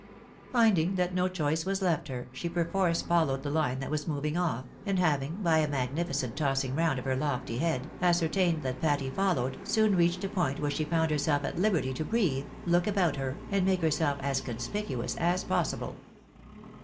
Finding that no choice was left her, she perforce followed the Une that was moving off, and having, by a magnificent tossing round of her lofty head, ascertained that Patty followed, soon reached a point where she found herself at liberty to breathe, look about her, and make herself as conspicuous as possible.